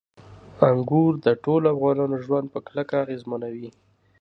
انګور د ټولو افغانانو ژوند په کلکه اغېزمنوي.